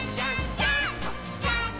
ジャンプ！！」